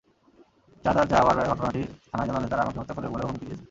চাঁদা চাওয়ার ঘটনাটি থানায় জানালে তারা আমাকে হত্যা করবে বলেও হুমকি দিয়েছে।